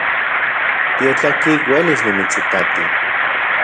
Tiotlatki uelis nimitsitati